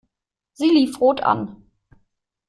Sie lief rot an.